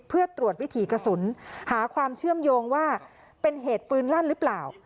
เพื่อตรวจวิถีกระสุนหาความเชื่อมโยงว่าเป็นเหตุปืนลั่นหรือเปล่า